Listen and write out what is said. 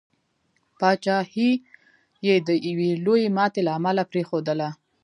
پاچهي یې د یوي لويي ماتي له امله پرېښودله.